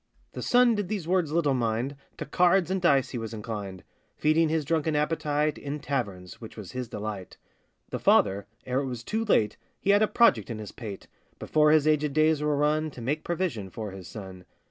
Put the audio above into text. The son these words did little mind, To cards and dice he was inclined; Feeding his drunken appetite In taverns, which was his delight. The father, ere it was too late, He had a project in his pate, Before his agèd days were run, To make provision for his son.